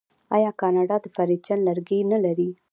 آیا کاناډا د فرنیچر لرګي نلري؟